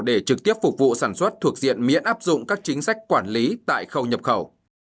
để trực tiếp phục vụ sản xuất thuộc diện miễn áp dụng các chính sách quản lý tại khâu nhập khẩu